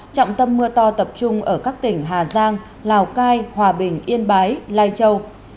trọng tâm mưa to tập trung ở các tỉnh hà giang lào cai hòa bình yên bái lai châu